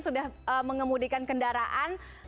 sudah mengemudikan kendaraan